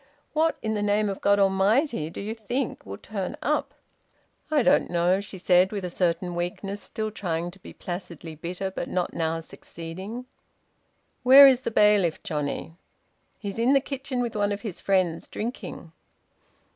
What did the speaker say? What in the name of God Almighty do you think will turn up?" "I don't know," she said, with a certain weakness, still trying to be placidly bitter, and not now succeeding. "Where is the bailiff johnny?" "He's in the kitchen with one of his friends, drinking."